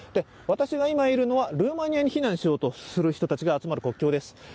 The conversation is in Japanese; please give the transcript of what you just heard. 私が今いるのはルーマニアに避難しようとする人たちが集まる国境です。